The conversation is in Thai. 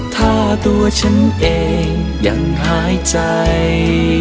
ถ้าตัวฉันเองยังหายใจ